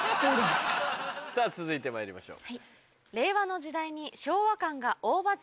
さぁ続いてまいりましょう。